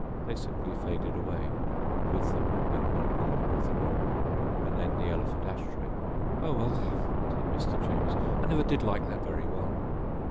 They simply faded away and with them went one corner of the room. And then the elephant ash tray. "Oh, well," said Mr. Chambers, "I never did like that very well."